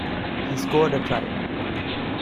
He scored a try.